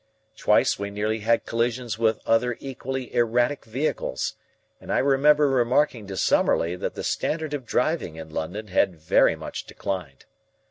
Twice we nearly had collisions with other equally erratic vehicles, and I remember remarking to Summerlee that the standard of driving in London had very much declined.